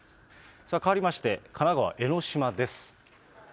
変わりまして神奈川・江の島です。